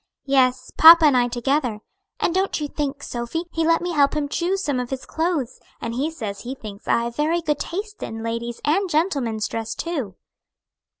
"Yes; papa and I together. And don't you think, Sophy, he let me help him choose some of his clothes, and he says he thinks I have very good taste in ladies' and gentlemen's dress too."